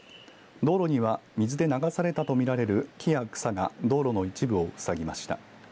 道路には水で流されたと見られる木や草が道路の一部を塞ぎました。